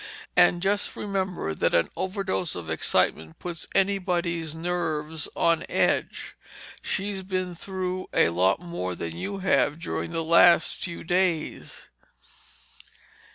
And just remember that an overdose of excitement puts anybody's nerves on edge. She's been through a lot more than you have during the last few days."